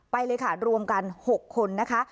ไปเลยค่ะรวมกัน๖คนนะคะ